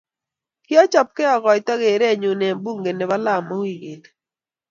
kiochoboge akoito keerenyu eng bunge nebo Lamu wikini